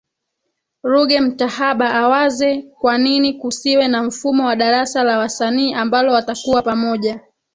Ruge Mtahaba awaze kwanini kusiwe na mfumo wa darasa la wasanii ambalo watakuwa pamoja